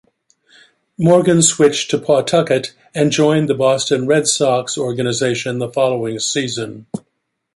Morgan switched to Pawtucket, and joined the Boston Red Sox organization, the following season.